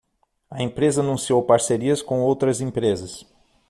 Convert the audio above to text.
A empresa anunciou parcerias com outras empresas.